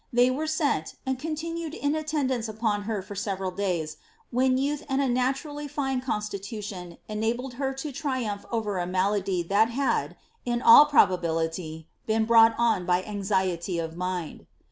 They were sent, and continued in attendance upon her for several days, when youth and a naturally fine constitution enabled her to triumph over a maUdy that had, in all probability, been brought on by anxiety of mind.